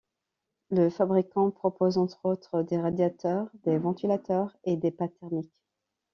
Le fabricant propose entre autres des radiateurs, des ventilateurs et des pâtes thermiques.